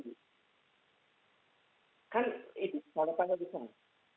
kan itu salah tanya di sana